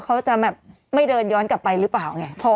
เขาจะแบบไม่เดินย้อนกลับไปหรือเปล่าไง